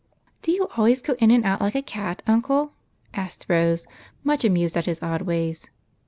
"Do you always go in and out like a cat, uncle?" asked Rose, much amused at his odd ways.